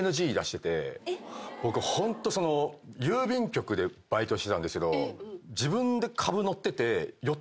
僕ホントその郵便局でバイトしてたんですけど。